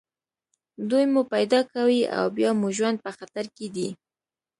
دوی مو پیدا کوي او بیا مو ژوند په خطر کې دی